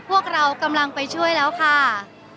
พวกเรากำลังไปช่วยแล้วค่ะ